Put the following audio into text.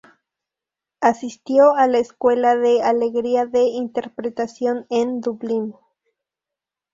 Asistió a la Escuela de Alegría de Interpretación en Dublín.